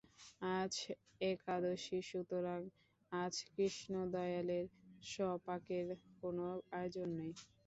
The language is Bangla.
আজ একাদশী সুতরাং আজ কৃষ্ণদয়ালের স্বপাকের কোনো আয়োজন নাই।